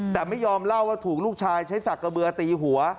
แต่ไม่ยอมเล่าว่าถูกลูกชายใช้สักกระเบือตีหัว